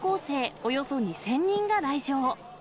およそ２０００人が来場。